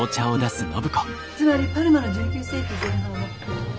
つまりパルマの１９世紀前半は。